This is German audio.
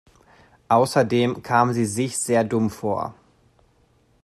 Außerdem kam sie sich sehr dumm vor.